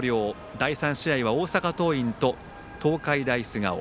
第３試合は大阪桐蔭と東海大菅生。